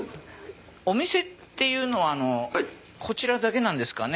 お店っていうのはこちらだけなんですかね？